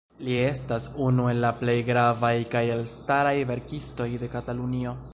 Li estas unu el la plej gravaj kaj elstaraj verkistoj de Katalunio.